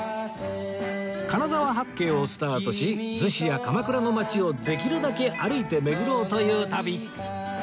金沢八景をスタートし逗子や鎌倉の街をできるだけ歩いて巡ろうという旅